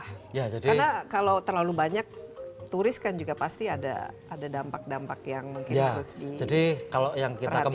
karena kalau terlalu banyak turis kan juga pasti ada dampak dampak yang mungkin harus diperhatikan